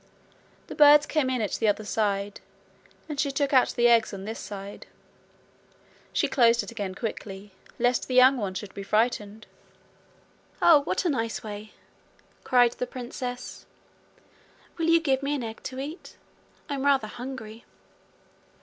The birds came in at the other side, and she took out the eggs on this side. She closed it again quickly, lest the young ones should be frightened. 'Oh, what a nice way!' cried the princess. 'Will you give me an egg to eat? I'm rather hungry.'